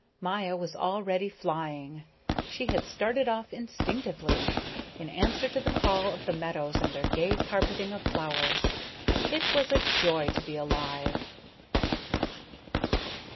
Maya was already flying. She had started off instinctively, in answer to the call of the meadows and their gay carpeting of flowers. It was a joy to be alive.